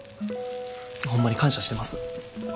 ホンマに感謝してます。